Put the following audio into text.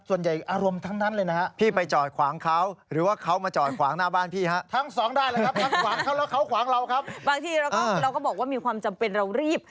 บางทีเราก็บอกว่ามีความจำเป็นเรารีบ